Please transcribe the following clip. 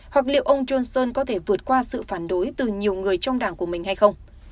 hoặc liệu ông johnson có thể vượt qua sự phản đối từ nhiều người trong đảng của mình hay không